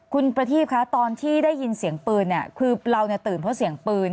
คุณประทีบคะตอนที่ได้ยินเสียงปืนเนี่ยคือเราตื่นเพราะเสียงปืน